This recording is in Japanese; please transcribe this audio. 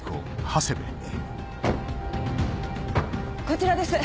こちらです。